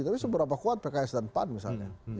tapi seberapa kuat pks dan pan misalnya